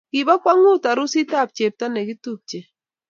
Kibo kwongut arusit ab chepto nekitupche